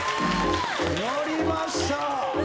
やりました。